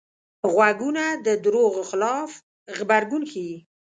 غوږونه د دروغو خلاف غبرګون ښيي